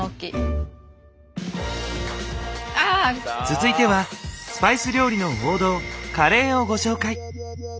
続いてはスパイス料理の王道カレーをご紹介。